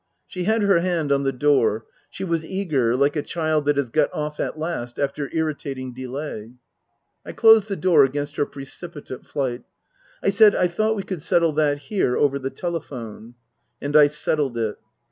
She had her hand on the door. She was eager, like a child that has got off at last, after irritating delay. I closed the door against her precipitate flight. I said I thought we could settle that here, over the telephone. And I settled it.